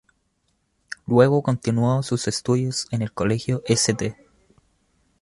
Luego continuó sus estudios en el Colegio St.